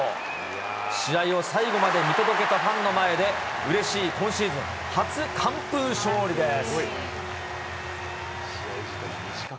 試合を最後まで見届けたファンの前で、うれしい今シーズン初完封勝利です。